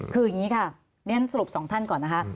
คืออย่างนี้ครับสรุปสองท่านก่อนนะครับ